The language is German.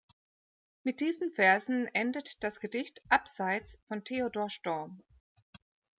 Mit diesen Versen endet das Gedicht "Abseits" von Theodor Storm.